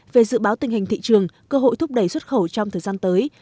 về dự báo tình hình thị trường cơ hội thúc đẩy xuất khẩu trong thời gian tới